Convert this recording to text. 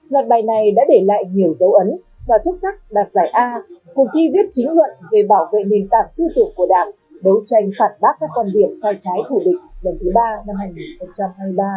loạt bài này đã để lại nhiều dấu ấn và xuất sắc đạt giải a cuộc thi viết chính luận về bảo vệ nền tảng tư tưởng của đảng đấu tranh phạt bác các quan điểm sai trái thủ địch lần thứ ba năm hai nghìn hai mươi ba